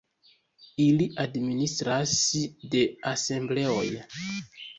Ili administras de asembleoj.